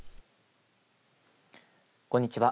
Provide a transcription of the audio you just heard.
こんにちは。